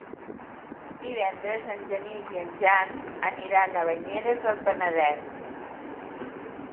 Divendres en Genís i en Jan aniran a Banyeres del Penedès.